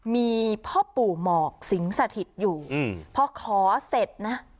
มีพ่อปู่หมอกสิงสถิตอยู่พอขอเสร็จนะ